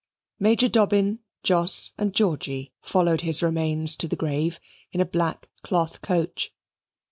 Major Dobbin, Jos, and Georgy followed his remains to the grave, in a black cloth coach.